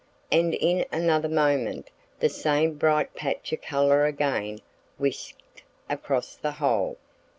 And in another moment the same bright patch of color again whisked across the hole.